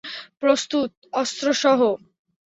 প্রস্তুত, অস্ত্র সহ।